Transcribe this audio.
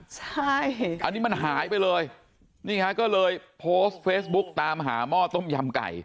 ใช่อันนี้มันหายไปเลยนี่ฮะก็เลยโพสต์เฟซบุ๊กตามหาหม้อต้มยำไก่